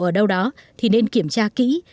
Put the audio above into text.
ở đâu đó thì nên kiểm tra kỹ